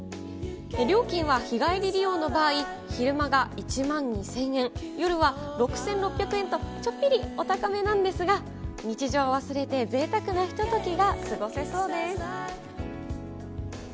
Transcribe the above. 料金は日帰り利用の場合、昼間が１万２０００円、夜は６６００円とちょっぴりお高めなんですが、日常を忘れてぜいたくなひとときが過ごせそうです。